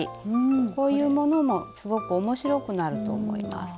こういうものもすごく面白くなると思います。